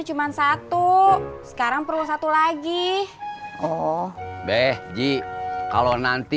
kecuali kalau lo bisa sulap